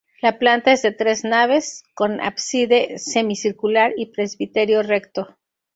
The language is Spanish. La planta es de tres naves, con ábside semicircular y presbiterio recto.